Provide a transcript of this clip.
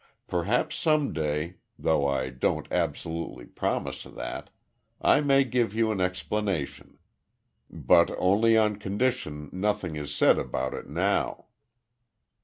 Perhaps some day though I don't absolutely promise that I may give you an explanation; but only on condition nothing is said about it now."